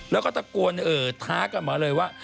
แล้วก็ตะโกนท้ากันมาเลยว่า